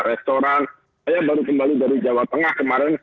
restoran saya baru kembali dari jawa tengah kemarin